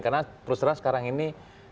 karena terus terang sekarang ini